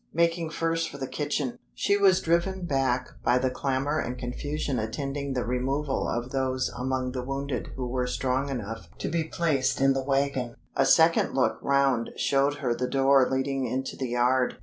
Making first for the kitchen, she was driven back by the clamor and confusion attending the removal of those among the wounded who were strong enough to be placed in the wagon. A second look round showed her the door leading into the yard.